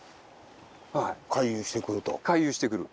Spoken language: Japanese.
回遊してくる。